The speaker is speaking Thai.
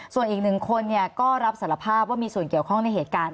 ส่วนอีกหนึ่งคนก็รับสารภาพว่ามีส่วนเกี่ยวข้องในเหตุการณ์